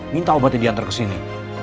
minta obatnya diantar ke sini